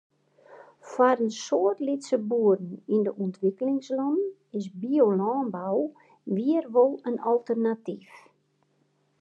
Foar in soad lytse boeren yn de ûntwikkelingslannen is biolânbou wier wol in alternatyf.